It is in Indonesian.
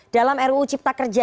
dalam ruu cipta kerja